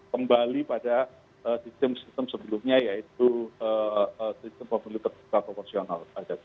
kembali pada sistem sistem sebelumnya yaitu sistem pemilu terbuka proporsional